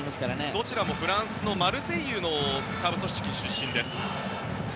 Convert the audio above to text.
どちらもフランスのマルセイユの下部組織出身です。